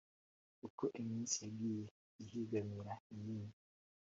Uko iminsi Yagiye ihigamira Iyindi